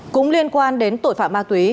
cũng liên quan đến tội phạm ma túy